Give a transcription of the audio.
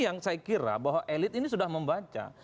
yang saya kira bahwa elit ini sudah membaca